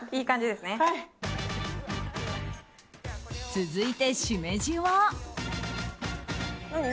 続いてシメジは。